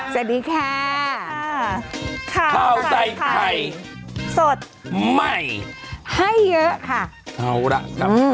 สวัสดีค่ะข้าวใส่ไข่สดใหม่ให้เยอะค่ะเอาล่ะครับ